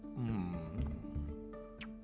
อืม